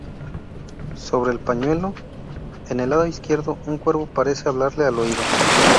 Sobre el pañuelo, en el lado izquierdo, un cuervo parece hablarle al oído.